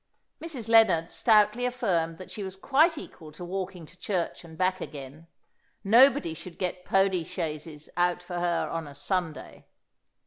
Mrs. Lennard stoutly affirmed that she was quite equal to walking to church and back again. Nobody should get pony chaises out for her on a Sunday.